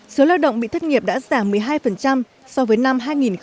số lao động bị thất nghiệp đã giảm một mươi hai so với năm hai nghìn một mươi tám